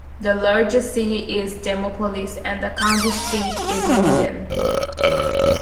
The largest city is Demopolis and the county seat is Linden.